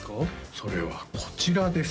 それはこちらです